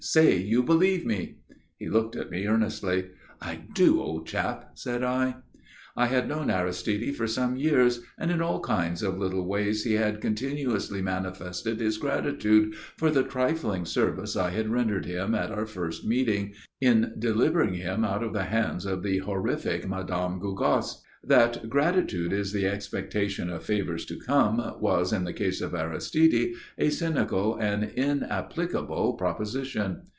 Say you believe me." He looked at me earnestly. "I do, old chap," said I. I had known Aristide for some years, and in all kinds of little ways he had continuously manifested his gratitude for the trifling service I had rendered him, at our first meeting, in delivering him out of the hands of the horrific Madam Gougasse. That gratitude is the expectation of favors to come was, in the case of Aristide, a cynical and inapplicable proposition.